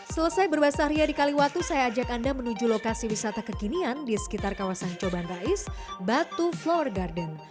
selesai berbahasa ria di kaliwatu saya ajak anda menuju lokasi wisata kekinian di sekitar kawasan coban rais batu flower garden